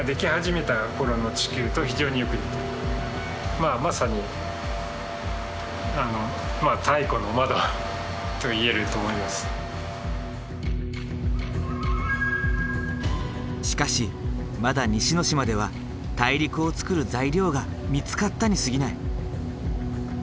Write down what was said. まあまさにしかしまだ西之島では大陸をつくる材料が見つかったにすぎない。